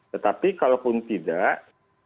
tetapi kalaupun tidak